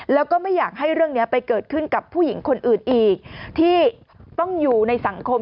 แล้วก็ไม่อยากให้เรื่องนี้ไปเกิดขึ้นกับผู้หญิงคนอื่นอีกที่ต้องอยู่ในสังคม